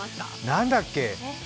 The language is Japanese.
何だっけ？